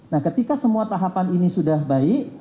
nah ketika semua tahapan ini sudah baik